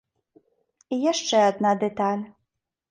І яшчэ адна дэталь.